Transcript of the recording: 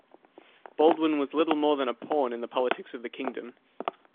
Baldwin was little more than a pawn in the politics of the Kingdom.